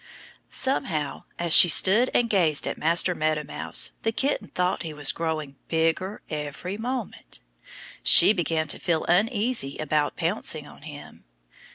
Somehow, as she stood and gazed at Master Meadow Mouse the kitten thought he was growing bigger every moment. She began to feel uneasy about pouncing on him.